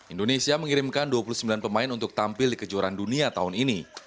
indonesia mengirimkan dua puluh sembilan pemain untuk tampil di kejuaraan dunia tahun ini